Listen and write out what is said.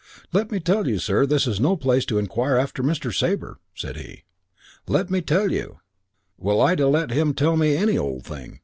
"'Let me tell you, sir, this is no place to inquire after Mr. Sabre,' said he. 'Let me tell you ' "Well, I'd ha' let him tell me any old thing.